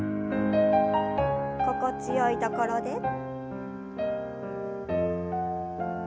心地よいところで。